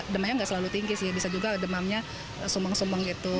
demamnya nggak selalu tinggi sih bisa juga demamnya sumeng sumeng gitu